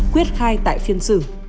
quyết khai tại phiên xử